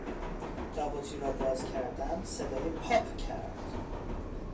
تا بطری را باز کردم صدای پاپ کرد.